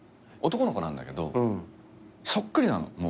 男の子なんだけどそっくりなの。